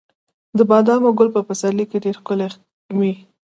د بادامو ګل په پسرلي کې ډیر ښکلی وي.